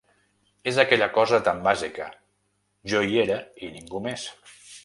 És aquella cosa tan bàsica: jo hi era, i ningú més.